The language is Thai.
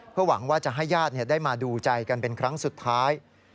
เพื่อหวังว่าจะให้ญาติได้มาดูใจกันเป็นครั้งสุดท้าย